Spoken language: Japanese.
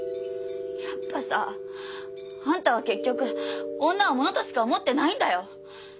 やっぱさあんたは結局女を物としか思ってないんだよ